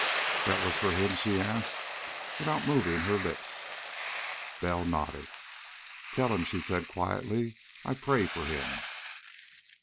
"That was for him?" she asked, without moving her lips. Bell nodded. "Tell him," she said quietly, "I pray for him."